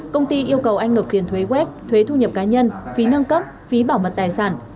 công ty yêu cầu anh nộp tiền thuế web thuế thu nhập cá nhân phí nâng cấp phí bảo mật tài sản